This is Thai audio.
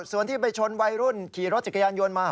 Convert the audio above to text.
ส่วนที่ไปชนวัยรุ่นขี่รถจักรยานยนต์มา